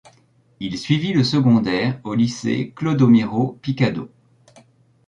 Il suivit le secondaire au lycée Clodomiro Picado.